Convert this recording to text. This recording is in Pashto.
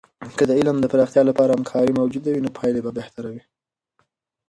که د علم د پراختیا لپاره همکارۍ موجودې وي، نو پایلې به بهتره وي.